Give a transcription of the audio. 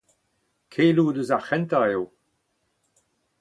Keloù deus ar c'hentañ eo